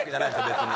別に。